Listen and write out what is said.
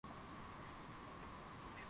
Wafanyikazi waliandamana mjini